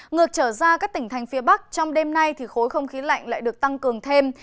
ngược trở ra các tỉnh thành phía bắc trong đêm nay thì khối không khí lạnh lại được tăng cường thêm